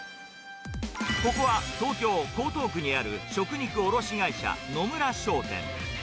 ここは東京・江東区にある食肉卸会社、野村商店。